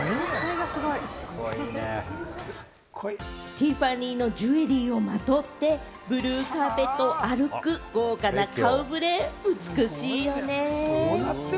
ティファニーのジュエリーをまとって、ブルーカーペットを歩く豪華な顔触れ、美しいよね。